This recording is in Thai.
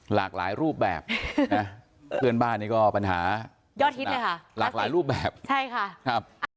หลากหลายรูปแบบนะเพื่อนบ้านนี่ก็ปัญหายอดฮิตเลยค่ะหลากหลายรูปแบบใช่ค่ะครับ